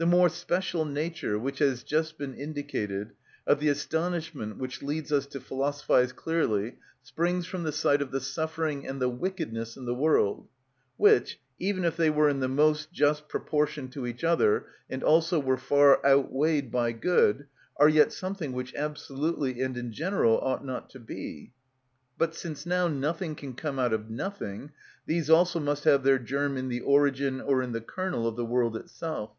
The more special nature, which has just been indicated, of the astonishment which leads us to philosophise clearly springs from the sight of the suffering and the wickedness in the world, which, even if they were in the most just proportion to each other, and also were far outweighed by good, are yet something which absolutely and in general ought not to be. But since now nothing can come out of nothing, these also must have their germ in the origin or in the kernel of the world itself.